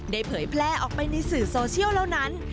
เผยแพร่ออกไปในสื่อโซเชียลเหล่านั้น